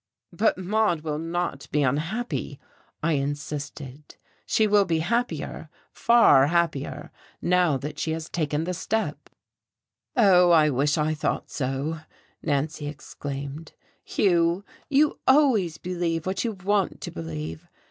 "But Maude will not be unhappy," I insisted. "She will be happier, far happier, now that she has taken the step." "Oh, I wish I thought so," Nancy exclaimed. "Hugh, you always believe what you want to believe.